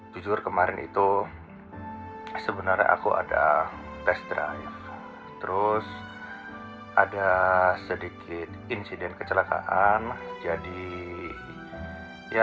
jujur kemarin itu sebenarnya aku ada tes drive terus ada sedikit insiden kecelakaan jadi ya